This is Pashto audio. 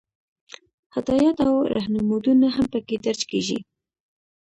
هدایات او رهنمودونه هم پکې درج کیږي.